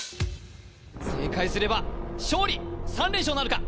正解すれば勝利３連勝なるか？